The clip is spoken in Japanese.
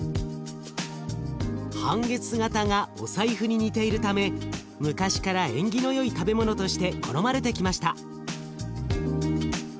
半月型がお財布に似ているため昔から縁起の良い食べ物として好まれてきました。